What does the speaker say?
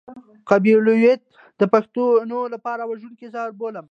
قبيلويت د پښتنو لپاره وژونکی زهر بولم.